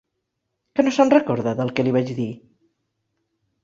Que no se'n recorda del que li vaig dir?